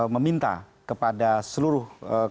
meminta kepada seluruh